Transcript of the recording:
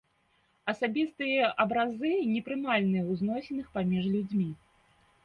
Асабістыя абразы непрымальныя ў зносінах паміж людзьмі.